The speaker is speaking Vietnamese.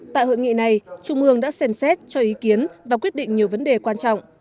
tại hội nghị này trung ương đã xem xét cho ý kiến và quyết định nhiều vấn đề quan trọng